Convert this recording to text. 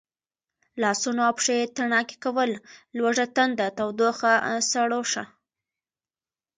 لاسونه او پښې تڼاکې کول، لوږه تنده، تودوخه، سړوښه،